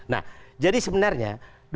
nah jadi sebenarnya dua ribu enam belas